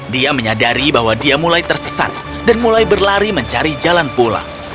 dia menyadari bahwa dia mulai tersesat dan mulai berlari mencari jalan pulang